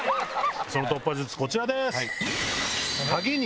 その突破術こちらです。